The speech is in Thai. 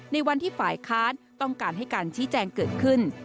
ในวันที่ฝ่ายค้านต้องการให้การชี้แจงเกิดขึ้น